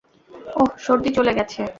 ওহ, সর্দি চলে গেছে।